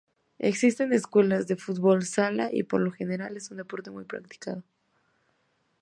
Existen escuelas de fútbol sala y por lo general es un deporte muy practicado.